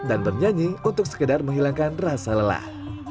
dan bernyanyi untuk sekedar menghilangkan rasa lelah